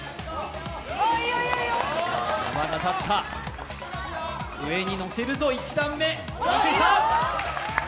山が立った、上に載せるぞ１段目、完成した。